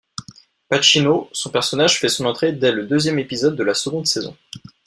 Pacino, son personnage fait son entrée dès le deuxième épisode de la seconde saison.